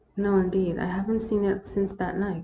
" No, indeed. I have n't seen it since that night."